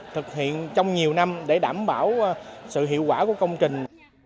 thực hiện trong nhiều năm để đảm bảo sự hiệu quả của công trình